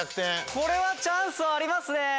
これはチャンスありますね！